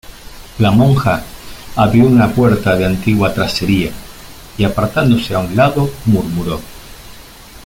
la monja abrió una puerta de antigua tracería, y apartándose a un lado murmuró: